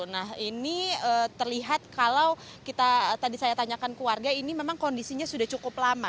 nah ini terlihat kalau kita tadi saya tanyakan ke warga ini memang kondisinya sudah cukup lama